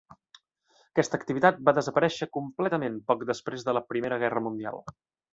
Aquesta activitat va desaparèixer completament poc després de la primera guerra mundial.